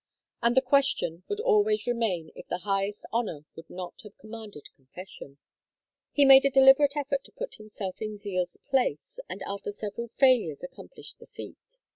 And the question would always remain if the highest honor would not have commanded confession. He made a deliberate effort to put himself in Zeal's place, and after several failures accomplished the feat.